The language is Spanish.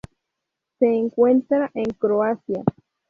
Se encuentra en Croacia.